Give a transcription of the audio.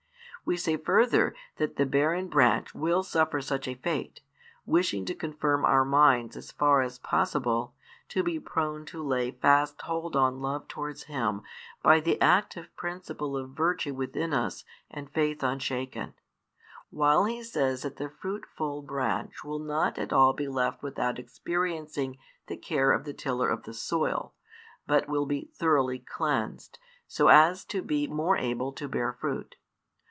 We say further that the barren branch will suffer such a fate, wishing to confirm our minds as far as possible, to be prone to lay fast hold on love towards Him by the active principle of virtue within us and faith unshaken, while He says that the fruitful branch will not at all be left without experiencing the care of the tiller of the soil, but will be throughly cleansed, so as to be more able to bear fruit.